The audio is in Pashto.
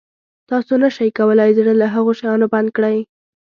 تاسو نه شئ کولای زړه له هغه شیانو بند کړئ.